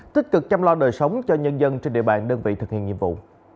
tích cực chăm lo đời sống cho nhân dân trên địa bàn đơn vị thực hiện nhiệm vụ